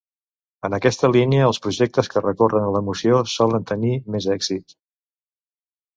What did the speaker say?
En aquesta línia els projectes que recorren a l'emoció solen tenir més èxit.